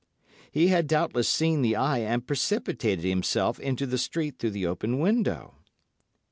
He had doubtless seen the eye and precipitated himself into the street through the open window.